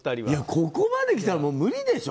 ここまできたら無理でしょ。